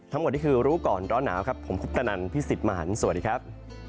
ทั้งหมดที่คือรู้ก่อนร้อนหนาวผมคุกตะนันพี่สิบหมารสวัสดีครับ